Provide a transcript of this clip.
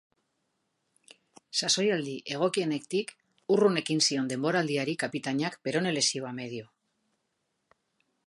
Sasoialdi egokienetik urrun ekin zion denboraldiari kapitainak perone-lesioa medio.